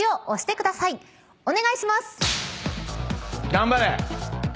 頑張れ。